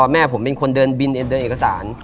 แม่ผมเป็นคนเดินเอกสาร